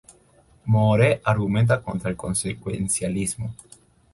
Moore argumenta contra el Consecuencialismo.